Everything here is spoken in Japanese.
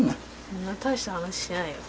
そんな大した話してないよ。